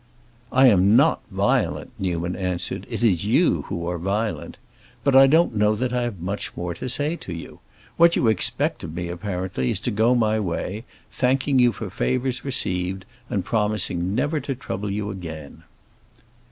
"I am not violent," Newman answered, "it is you who are violent! But I don't know that I have much more to say to you. What you expect of me, apparently, is to go my way, thanking you for favors received, and promising never to trouble you again."